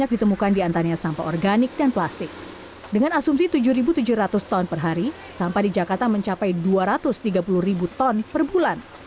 dengan asumsi tujuh tujuh ratus ton per hari sampah di jakarta mencapai dua ratus tiga puluh ton per bulan